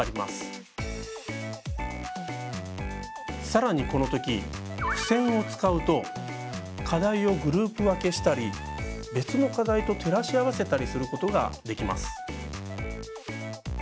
さらにこの時付せんを使うと課題をグループ分けしたり別の課題と照らし合わせたりすることができます。